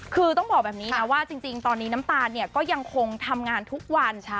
คือต้องบอกแบบนี้นะว่าจริงตอนนี้น้ำตาลเนี่ยก็ยังคงทำงานทุกวัน